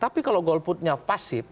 tapi kalau golputnya pasif